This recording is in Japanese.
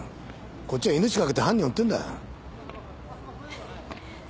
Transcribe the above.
こっちは命懸けて犯人を追ってるんだよ。